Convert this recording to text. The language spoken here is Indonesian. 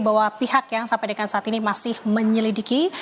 bahwa pihak yang sampai dengan saat ini masih menyelidiki